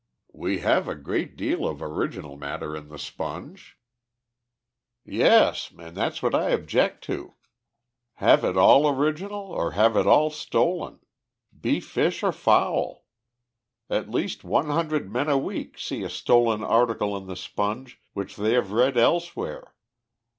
"We have a great deal of original matter in the Sponge." "Yes, and that's what I object to. Have it all original, or have it all stolen. Be fish or fowl. At least one hundred men a week see a stolen article in the Sponge which they have read elsewhere.